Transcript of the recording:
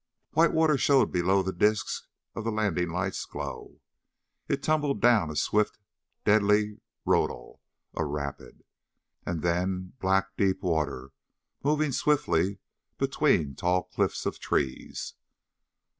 White water showed below in the disks of the landing lights' glow. It tumbled down a swift and deadly raudal a rapid. And then black, deep water, moving swiftly between tall cliffs of trees.